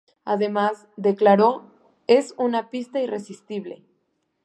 Además, declaró, es una pista irresistible.